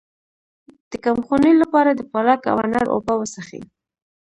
د کمخونۍ لپاره د پالک او انار اوبه وڅښئ